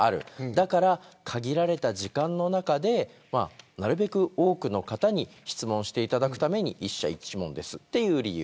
だから限られた時間の中でなるべく多くの方に質問していただくために１社１問ですっていう理由。